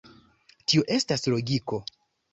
Tio estas logiko.